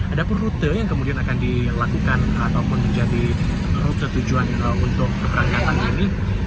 ada pun rute yang kemudian akan dilakukan ataupun menjadi rute tujuan untuk keberangkatan ini